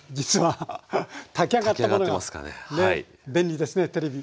便利ですねテレビ。